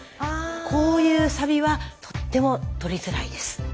こういうサビはとっても取りづらいです。